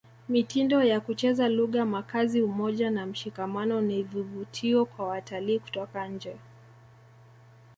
mitindo ya kucheza lugha makazi umoja na mshikamano ni vivutio kwa watalii kutoka nje